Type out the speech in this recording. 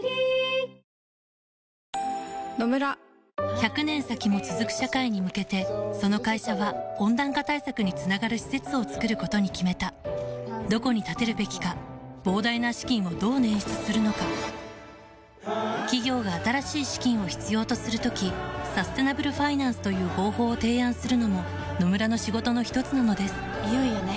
１００年先も続く社会に向けてその会社は温暖化対策につながる施設を作ることに決めたどこに建てるべきか膨大な資金をどう捻出するのか企業が新しい資金を必要とする時サステナブルファイナンスという方法を提案するのも野村の仕事のひとつなのですいよいよね。